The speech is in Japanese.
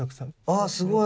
あっすごい！